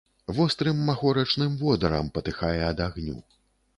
Вострым махорачным водарам патыхае ад агню.